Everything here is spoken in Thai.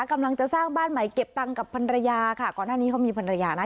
กำลังจะสร้างบ้านใหม่เก็บตังค์กับพันรยาค่ะก่อนหน้านี้เขามีภรรยานะ